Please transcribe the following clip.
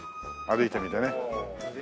歩いてみてね。